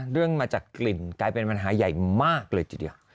เรื่องมาจากกลิ่นกลายเป็นปัญหาใหญ่มากเลยทีเดียว